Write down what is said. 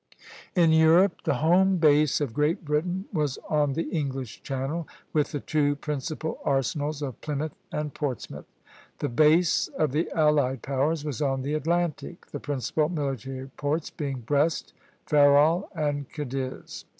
In Europe the home base of Great Britain was on the English Channel, with the two principal arsenals of Plymouth and Portsmouth. The base of the allied powers was on the Atlantic, the principal military ports being Brest, Ferrol, and Cadiz.